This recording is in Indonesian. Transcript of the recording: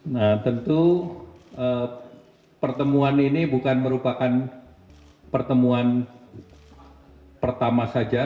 nah tentu pertemuan ini bukan merupakan pertemuan pertama saja